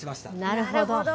なるほど。